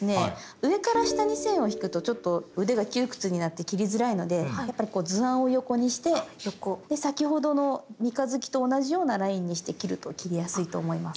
上から下に線を引くとちょっと腕が窮屈になって切りづらいのでやっぱりこう図案を横にしてで先ほどの三日月と同じようなラインにして切ると切りやすいと思います。